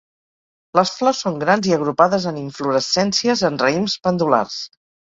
Les flors són grans i agrupades en inflorescències en raïms pendulars.